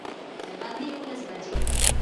د غرمي یوولس بجي